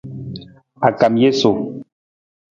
A kam jesu.